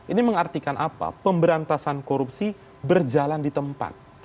ini mengartikan apa pemberantasan korupsi berjalan di tempat